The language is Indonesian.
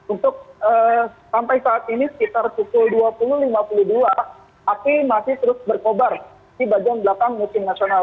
untuk sampai saat ini sekitar pukul dua puluh lima puluh dua api masih terus berkobar di bagian belakang musim nasional